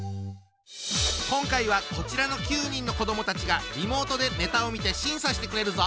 今回はこちらの９人の子どもたちがリモートでネタを見て審査してくれるぞ！